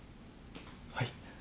はい。